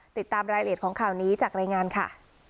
ติดตามรายละเอียดของข่าวนี้จากรายงานค่ะ